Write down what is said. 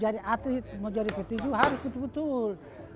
atlet mau jadi petinju harus betul betul